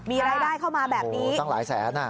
มีรายได้เข้ามาแบบนี้ตั้งหลายแสน